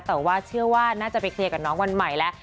แต่ว่าเชื่อว่าน่าจะไปเคลียร์กับน้องวันใหม่แล้ว